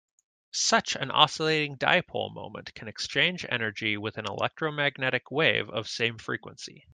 Such an oscillating dipole moment can exchange energy with an electromagnetic wave of same frequency.